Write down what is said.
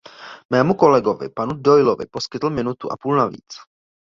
Mému kolegovi, panu Doyleovi, poskytl minutu a půl navíc.